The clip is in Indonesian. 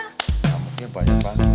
amatnya banyak banget nih membedar aja